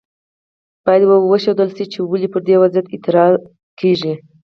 باید وښودل شي چې ولې پر دې وضعیت اعتراض کیږي.